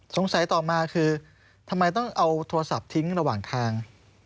ต่อมาคือทำไมต้องเอาโทรศัพท์ทิ้งระหว่างทาง